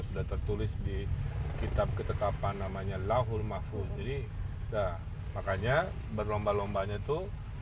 sudah tertulis di kitab ketetapan namanya lahur mahfuz jadi dah makanya berlomba lomba nya tuh